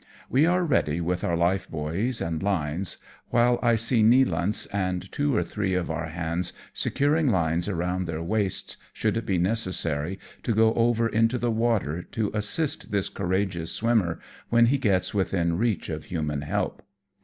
We are ready with our life buoys and lines, while I see Nealance and two or three of our hands securing lines around their waists should it be necessary to go over into the water to assist this courageous swimmer when he gets within reach of human help.